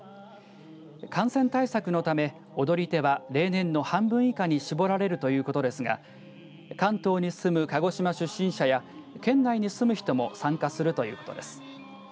感染対策のため踊り手は例年の半分以下に絞られるということですが関東に住む鹿児島出身者や県内に住む人も参加するということです。